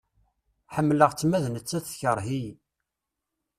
Ḥemleɣ-tt ma d nettat tekreh-iyi.